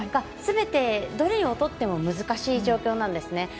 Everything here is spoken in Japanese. すべてどれをとっても難しい状況なんですね。